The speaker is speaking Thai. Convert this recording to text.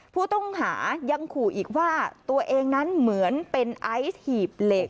ผู้ต้องหายังขู่อีกว่าตัวเองนั้นเหมือนเป็นไอซ์หีบเหล็ก